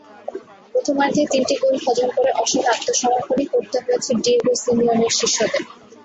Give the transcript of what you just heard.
প্রথমার্ধেই তিনটি গোল হজম করে অসহায় আত্মসমর্পণই করতে হয়েছে ডিয়েগো সিমিওনের শিষ্যদের।